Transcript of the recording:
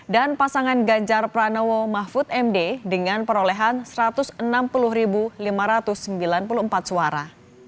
dan pasangan ganjar pranowo mahfud md dengan perolehan satu ratus enam puluh lima ratus sembilan puluh empat suara